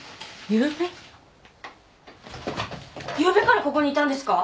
ゆうべからここにいたんですか？